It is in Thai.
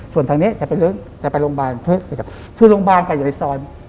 ส่วนทางนี้จะไปเลิศจะไปโรงบาลพฤตชักกาคือโรงบาลกระยายซ้อย